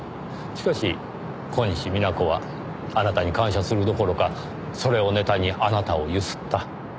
しかし小西皆子はあなたに感謝するどころかそれをネタにあなたを強請った。